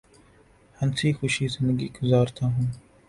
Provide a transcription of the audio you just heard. ہنسی خوشی زندگی گزارتا ہوں